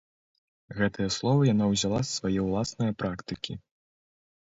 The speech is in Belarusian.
Гэтыя словы яна ўзяла з свае ўласнае практыкі.